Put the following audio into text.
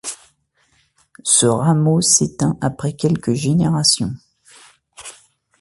Ce rameau s'éteint après quelques générations.